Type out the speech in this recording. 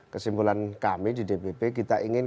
kesimpulan kami di dpp kita ingin